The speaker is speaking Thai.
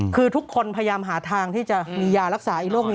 คือทุกคนพยายามหาทางที่จะมียารักษาอีกโรคนี้